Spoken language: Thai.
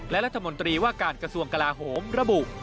และรัฐมนตรีว่าการกระทรวงกลาโหมระบุ